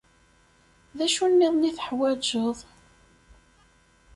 D acu-nniḍen i teḥwajeḍ?